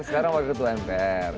sekarang saya ketua mpr